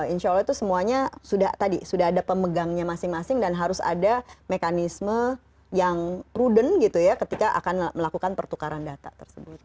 insya allah itu semuanya sudah tadi sudah ada pemegangnya masing masing dan harus ada mekanisme yang prudent gitu ya ketika akan melakukan pertukaran data tersebut